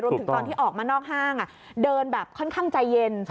ถึงตอนที่ออกมานอกห้างเดินแบบค่อนข้างใจเย็น